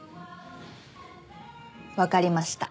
わかりました。